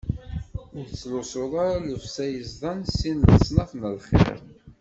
Ur tettlusuḍ ara llebsa yeẓḍan s sin n leṣnaf n lxiḍ.